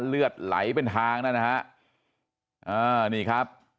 เลือดไหลเป็นทางนั่นนะฮะอ่านี่ครับ